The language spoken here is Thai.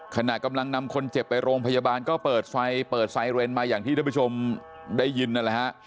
ขณะกำลังนำคนเจ็บไปโรงพยาบาลก็เปิดไฟเปิดไซเรนมาอย่างที่ท่านผู้ชมได้ยินนั่นแหละฮะ